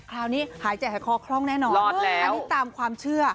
คราวนี้หายใจแห่งคอคล่องแน่นอนรอดแล้วอันนี้ตามความเชื่อ